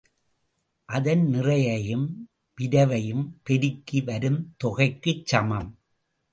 அதன் நிறையையும் விரைவையும் பெருக்கி வரும் தொகைக்குச் சமம்.